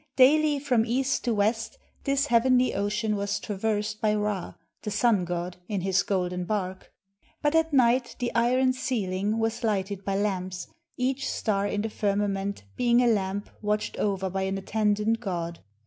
Daily, from east to west, this heavenly ocean was traversed by Ra, the sun god, in his golden bark. But at night the iron ceiling was lighted by lamps, each star in the firma ment being a lamp watched over by an attendant god.